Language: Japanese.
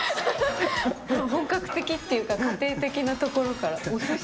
本格的っていうか、家庭的なところからおすし。